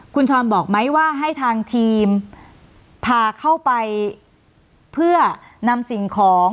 คุณชรบอกไหมว่าให้ทางทีมพาเข้าไปเพื่อนำสิ่งของ